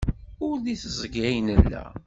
Ur deg teẓgi ay nella.